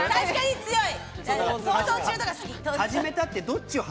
確かに強い！